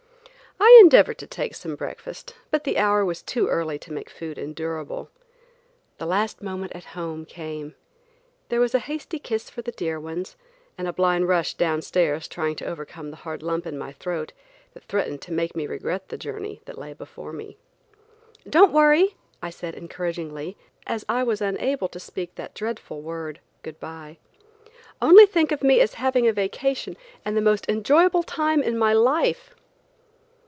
I endeavored to take some breakfast, but the hour was too early to make food endurable. The last moment at home came. There was a hasty kiss for the dear ones, and a blind rush downstairs trying to overcome the hard lump in my throat that threatened to make me regret the journey that lay before me. "Don't worry," I said encouragingly, as I was unable to speak that dreadful word, goodbye; "only think of me as having a vacation and the most enjoyable time in my life."